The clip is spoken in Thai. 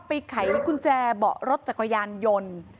ไขกุญแจเบาะรถจักรยานยนต์